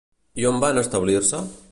I on van establir-se?